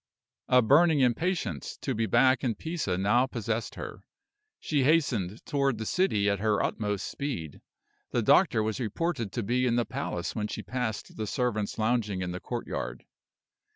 A burning impatience to be back in Pisa now possessed her. She hastened toward the city at her utmost speed. The doctor was reported to be in the palace when she passed the servants lounging in the courtyard.